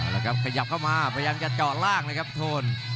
แล้วครับขยับเข้ามาพยายามจะเจาะล่างเลยครับโทน